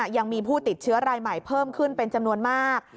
ยังมีผู้ติดเชื้อรายใหม่เพิ่มขึ้นเป็นจำนวนมาก